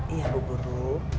iya bu guru